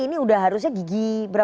ini sudah harusnya gigi empat ya